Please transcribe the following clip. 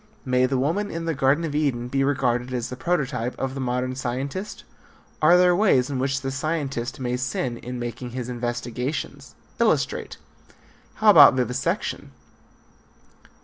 May the woman in the Garden of Eden be regarded as the prototype of the modern scientist? Are there ways in which the scientist may sin in making his investigations? Illustrate. How about vivisection?